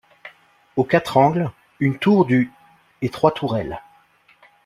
Aux quatre angles, une tour du et trois tourelles.